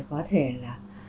có thể là